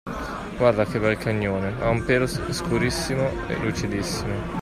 Guarda che bel cagnone! Ha un pelo scurissimo e lucidissimo!